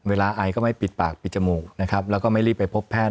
ไอก็ไม่ปิดปากปิดจมูกนะครับแล้วก็ไม่รีบไปพบแพทย์